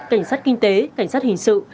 cảnh sát kinh tế cảnh sát hình sự